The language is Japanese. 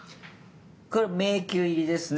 これは迷宮入りですね